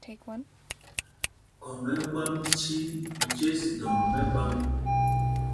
Khôŋ ɛ́ ɛ́ ɓwam cī njes dɔ̌ŋ mɛ̄ɓām.